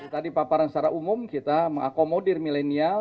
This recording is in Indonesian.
tadi paparan secara umum kita mengakomodir milenial